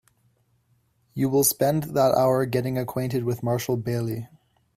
You will spend that hour getting acquainted with Marshall Bailey.